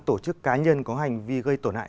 tổ chức cá nhân có hành vi gây tổn hại